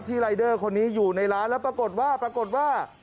รายเดอร์คนนี้อยู่ในร้านแล้วปรากฏว่าปรากฏว่า